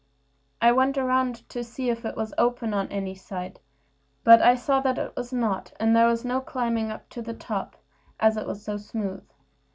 I went round to see if it was open on any side, but saw it was not, and that there was no climbing up to the top, as it was so smooth.